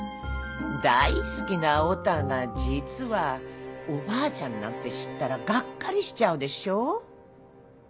大好きなオタが実はおばあちゃんなんて知ったらがっかりしちゃうでしょ。